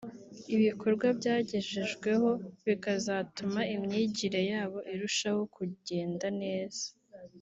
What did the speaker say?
ibikorwa bagejejweho bikazatuma imyigire yabo irushaho kugenda neza